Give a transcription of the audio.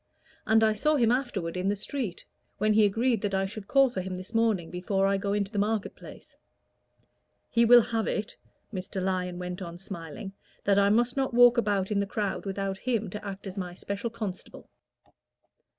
And I saw him afterward in the street, when he agreed that I should call for him this morning before I go into the market place. He will have it," Mr. Lyon went on, smiling, "that I must not walk about in the crowd without him to act as my special constable."